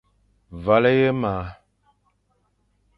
Vale ye ma.